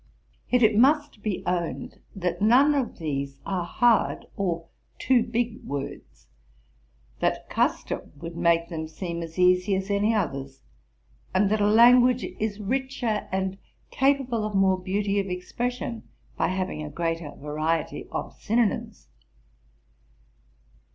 Yet, it must be owned, that none of these are hard or too big words; that custom would make them seem as easy as any others; and that a language is richer and capable of more beauty of expression, by having a greater variety of synonimes.